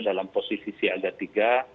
dalam posisi siaga tiga